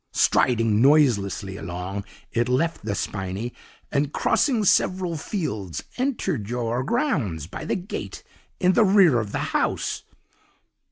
"'Striding noiselessly along, it left the spinney, and crossing several fields entered your grounds by the gate in the rear of the house.